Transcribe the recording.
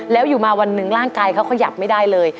แล้วอยู่มาวันหนึ่งร่างกายเขาขยับไม่ได้เลย